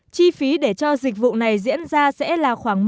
chi phí để cho dịch vụ này diễn ra sẽ là khoảng một một hai